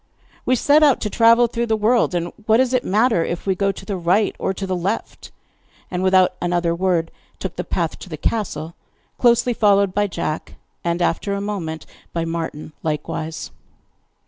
'We set out to travel through the world, and what does it matter if we go to the right or to the left?' And, without another word, took the path to the castle, closely followed by Jack, and after a moment by Martin likewise.